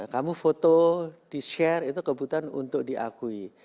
kamu foto di share itu kebutuhan untuk diakui